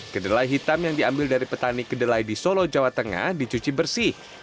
kedelai hitam yang diambil dari petani kedelai di solo jawa tengah dicuci bersih